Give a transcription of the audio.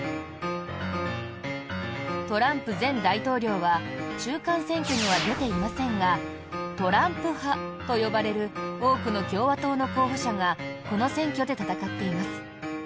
トランプ前大統領は中間選挙には出ていませんがトランプ派と呼ばれる多くの共和党の候補者がこの選挙で戦っています。